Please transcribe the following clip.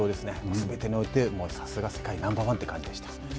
すべてにおいてさすが世界ナンバー１という感じでした。